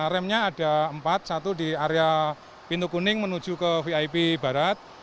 remnya ada empat satu di area pintu kuning menuju ke vip barat